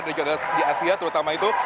di asia terutama itu